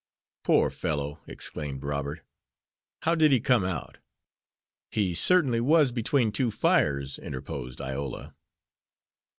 "Poor fellow!" exclaimed Robert. "How did he come out?" "He certainly was between two fires," interposed Iola.